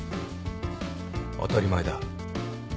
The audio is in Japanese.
当たり前だ。